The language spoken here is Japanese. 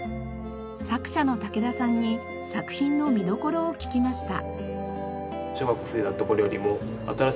作者の武田さんに作品の見どころを聞きました。